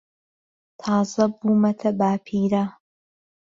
تازە بوومەتە باپیرە.